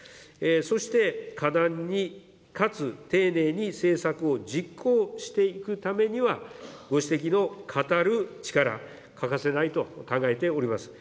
そして果断に、かつ丁寧に政策を実行していくためには、ご指摘の、語る力、欠かせないと考えております。